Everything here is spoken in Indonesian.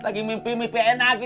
lagi mimpi mimpi enak